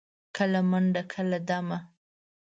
کله منډه، کله دمه.